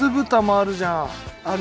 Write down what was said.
「あるじゃん」。